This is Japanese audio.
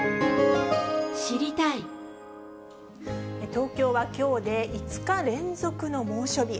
東京はきょうで５日連続の猛暑日。